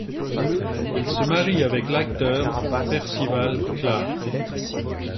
Elle se marie avec l'acteur Percival Clarke.